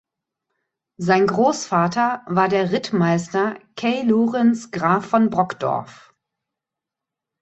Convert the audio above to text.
Sein Großvater war der Rittmeister Cay Lorenz Graf von Brockdorff.